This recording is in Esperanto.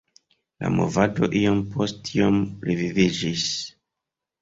La movado iom post iom reviviĝis.